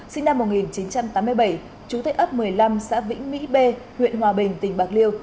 sinh năm một nghìn chín trăm tám mươi bảy chú tệ ấp một mươi năm xã vĩnh mỹ b huyện hòa bình tỉnh bạc liêu